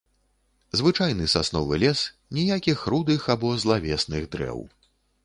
Звычайны сасновы лес, ніякіх рудых або злавесных дрэў.